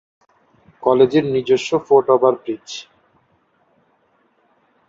কলেজের নিজস্ব foot over bridge